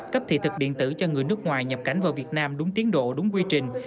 cấp thị thực điện tử cho người nước ngoài nhập cảnh vào việt nam đúng tiến độ đúng quy trình